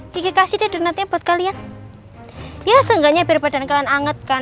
dikasih dengannya buat kalian ya seenggaknya berbadan kalian angetkan